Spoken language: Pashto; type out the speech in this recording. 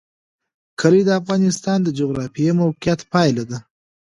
کلي د افغانستان د جغرافیایي موقیعت پایله ده.